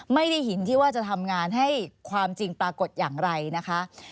ไม่ได้หินที่ว่าจะทำงานให้ความจริงปรากฏอย่างไรนะคะ